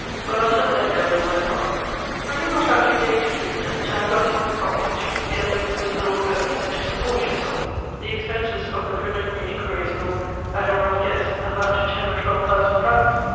"Well, until then," Derville went on, "will you not have to engage pleaders, to have documents copied, to keep the underlings of the law going, and to support yourself? The expenses of the preliminary inquiries will, at a rough guess, amount to ten or twelve thousand francs.